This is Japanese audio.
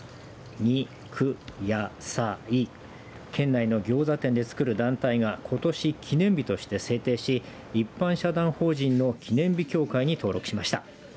２９８３１で県内のギョーザ店で作る団体がことし記念日として制定し一般社団法人の記念日協会に登録しました。